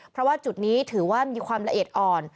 เพราะว่าจุดนี้ถือว่ามีความละเอียดอ่อน